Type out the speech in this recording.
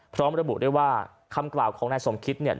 พร้อมระบุได้ว่าคำกล่าวของนายสมคิตเนี่ย